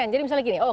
jadi misalnya gini